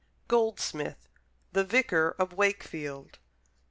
Goldsmith: "The Vicar of Wakefield."